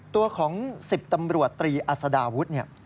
ตัวของ๑๐ตำรวจตรีอัศดาวุฒิเนี่ย